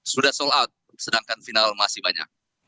sudah sold out sedangkan final masih banyak